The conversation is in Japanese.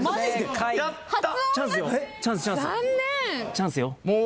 チャンスよ。